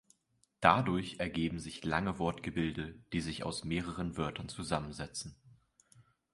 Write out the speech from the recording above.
Dadurch ergeben sich lange Wortgebilde, die sich aus mehreren Wörtern zusammensetzen.